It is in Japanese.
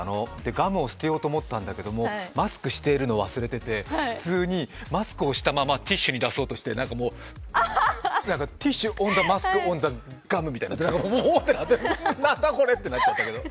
ガムを捨てようと思ったんだけど、マスクしているのを忘れて普通にマスクをしたままティッシュに出そうとして何かこう、ティッシュ・オン・ザガムみたいになってもおおってなってなんだこれ！ってなっちゃったけど。